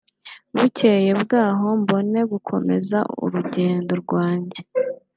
bukeye bwaho mbone gukomeza urugendo rwanjye